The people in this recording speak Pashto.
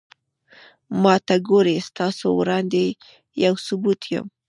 ما ته گورې ستاسو وړاندې يو ثبوت يم